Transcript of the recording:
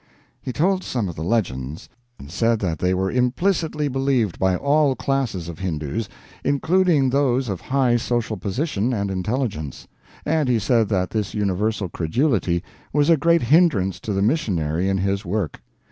He told some of the legends, and said that they were implicitly believed by all classes of Hindoos, including those of high social position and intelligence; and he said that this universal credulity was a great hindrance to the missionary in his work.